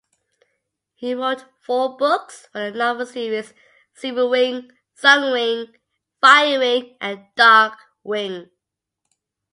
He wrote four books for the novel series, "Silverwing", "Sunwing", "Firewing" and "Darkwing".